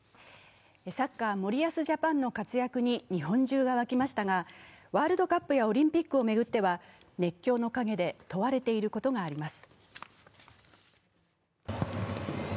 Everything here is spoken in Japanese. サッカー森保ジャパンの活躍に日本中が沸きましたがワールドカップやオリンピックを巡っては、熱狂の影で問われていることがあります。